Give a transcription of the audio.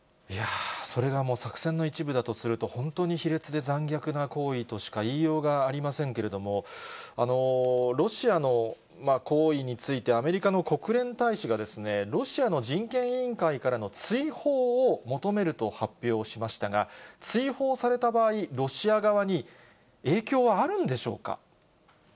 それが作戦の一部だとすると、本当に卑劣で残虐な行為としか言いようがありませんけれども、ロシアの行為についてアメリカの国連大使が、ロシアの人権委員会からの追放を求めると発表しましたが、追放された場合、ロシア側に影響はあるんでしょうか。